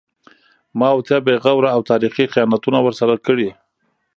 ما و تا بې غوره او تاریخي خیانتونه ورسره کړي